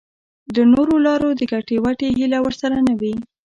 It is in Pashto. له نورو لارو د ګټې وټې هیله ورسره نه وي.